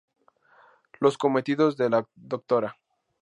Los cometidos de la Dra.